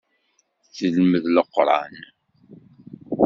Telmed Leqran.